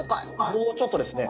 もうちょっとですね。